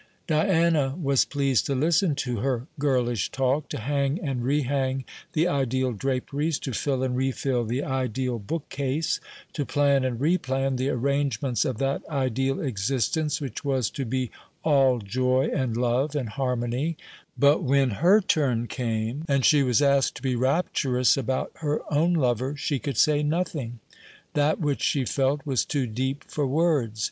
Diana was pleased to listen to her girlish talk: to hang and rehang the ideal draperies, to fill and refill the ideal bookcase, to plan and replan the arrangements of that ideal existence which was to be all joy and love and harmony; but when her turn came, and she was asked to be rapturous about her own lover, she could say nothing: that which she felt was too deep for words.